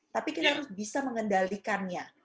tapi kita harus bisa mengendalikannya